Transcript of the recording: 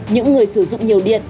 những người sử dụng nhiều điện